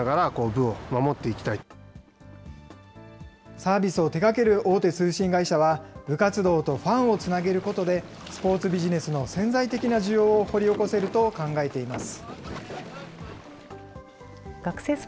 サービスを手がける大手通信会社は、部活動とファンをつなげることで、スポーツビジネスの潜在的な需要を掘り起こせると考えています。